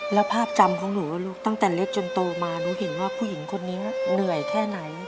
แล้วภาพจำของหนูลูกตั้งแต่เล็กจนโตมาหนูเห็นว่าผู้หญิงคนนี้เหนื่อยแค่ไหน